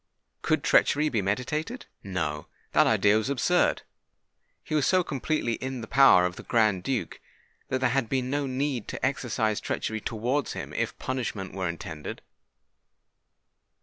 Could treachery be meditated? No—that idea was absurd. He was so completely in the power of the Grand Duke, that there had been no need to exercise treachery towards him, if punishment were intended.